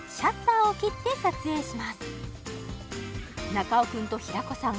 中尾君と平子さん